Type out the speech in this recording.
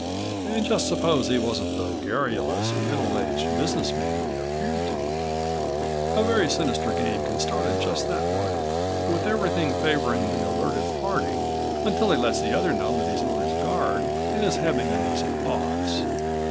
And just suppose he wasn't the garrulous, middle aged business man he appeared to be A very sinister game can start in just that way, with everything favoring the alerted party until he lets the other know that he's on his guard and is having uneasy thoughts.